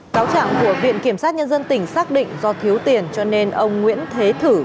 cáo trạng của viện kiểm sát nhân dân tỉnh xác định do thiếu tiền cho nên ông nguyễn thế thử